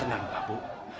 tenang pak bu